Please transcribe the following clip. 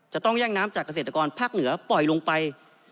จะต้องแย่งน้ำจากเกษตรกรภาคเหนือปล่อยลงไป